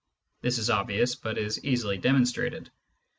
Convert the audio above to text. (This is obvious, but is easily demonstrated.)